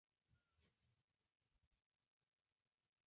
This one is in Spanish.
Tras el último intento, se sintió seguro de que nadie podría vencerle jamás.